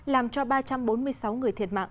làm cho ba trăm bốn mươi sáu người thiệt mạng